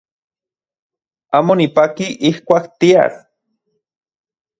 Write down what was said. Amo nipaki ijkuak tias.